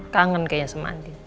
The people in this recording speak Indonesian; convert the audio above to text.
kangen kayaknya sama andien